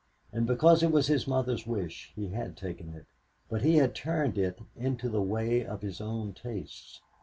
And because it was his mother's wish, he had taken it; but he had turned it into the way of his own tastes.